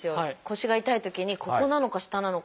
腰が痛いときにここなのか下なのか。